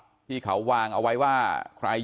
ทางรองศาสตร์อาจารย์ดรอคเตอร์อัตภสิตทานแก้วผู้ชายคนนี้นะครับ